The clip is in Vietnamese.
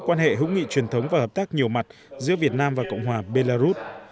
quan hệ hữu nghị truyền thống và hợp tác nhiều mặt giữa việt nam và cộng hòa belarus